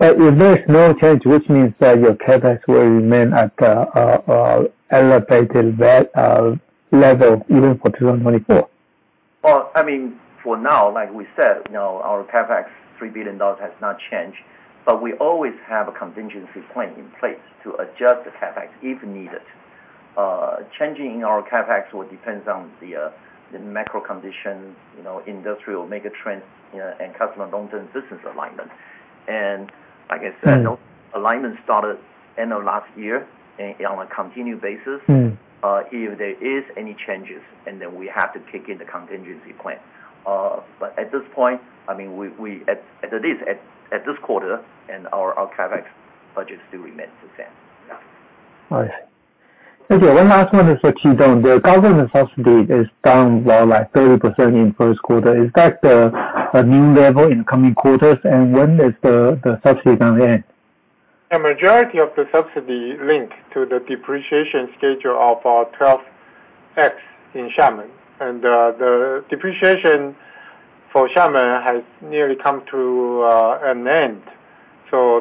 If there's no change, which means that your CapEx will remain at a elevated level even for 2024. Well, I mean, for now, like we said, you know, our CapEx $3 billion has not changed, but we always have a contingency plan in place to adjust the CapEx if needed. Changing our CapEx will depends on the macro condition, you know, industrial mega trends, you know, and customer long-term business alignment. Like I said, alignment started end of last year and on a continued basis. Mm. If there is any changes, we have to kick in the contingency plan. At this point, I mean, we at least at this quarter and our CapEx budget still remains the same. Yeah. All right. Okay, one last one is for Kwee Tong. The government subsidy is down by like 30% in first quarter. Is that the new level in coming quarters? When is the subsidy going to end? The majority of the subsidy link to the depreciation schedule of our Fab 12X in Xiamen. The depreciation for Xiamen has nearly come to an end.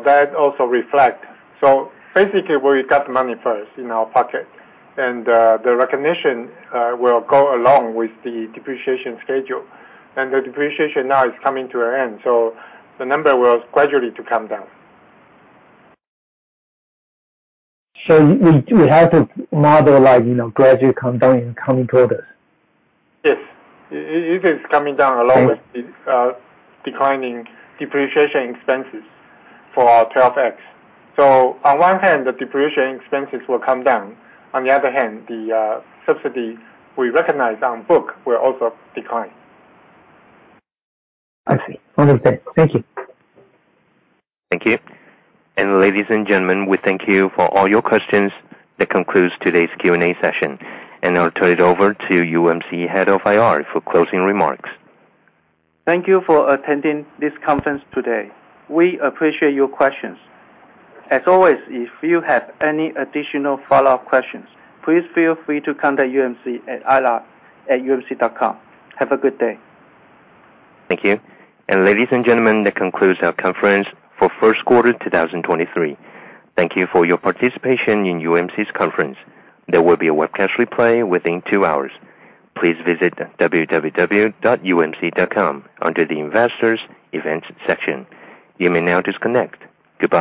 That also reflect. Basically, we got money first in our pocket, and the recognition will go along with the depreciation schedule. The depreciation now is coming to an end, so the number will gradually to come down. we have to model like, you know, gradually come down in coming quarters. Yes. It is coming down along with the declining depreciation expenses for our Fab 12X. On one hand, the depreciation expenses will come down. On the other hand, the subsidy we recognize on book will also decline. I see. Okay. Thank you. Thank you. Ladies and gentlemen, we thank you for all your questions. That concludes today's Q&A session. I'll turn it over to UMC Head of IR for closing remarks. Thank you for attending this conference today. We appreciate your questions. As always, if you have any additional follow-up questions, please feel free to contact UMC at ir@umc.com. Have a good day. Thank you. Ladies and gentlemen, that concludes our conference for first quarter 2023. Thank you for your participation in UMC's conference. There will be a webcast replay within two hours. Please visit www.umc.com under the Investors Events section. You may now disconnect. Good day.